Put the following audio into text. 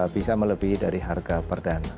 bisa melebihi dari harga perdana